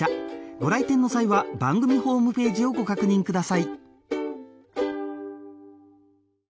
ご来店の際は番組ホームページをご確認ください